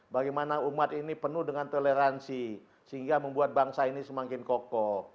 bagaimana umat ini penuh dengan toleransi sehingga membuat bangsa ini semakin kokoh